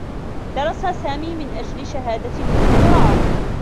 درس سامي من أجل شهادة الدّكتورا.